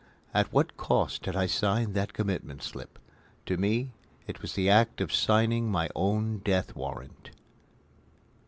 At what cost had I signed that commitment slip? To me it was the act of signing my own death warrant.